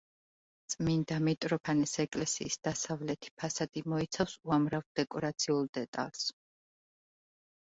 წმინდა მიტროფანეს ეკლესიის დასავლეთი ფასადი მოიცავს უამრავ დეკორაციულ დეტალს.